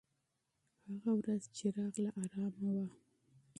هغه ورځ چې راغله، ارامه وه.